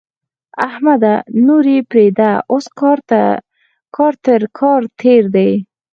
احمده! نور يې پرېږده؛ اوس کار تر کار تېر دی.